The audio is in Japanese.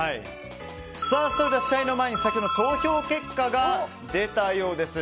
それでは試合の前に先ほどの投票結果が出たようです。